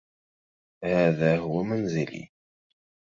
هذا هو منزلي.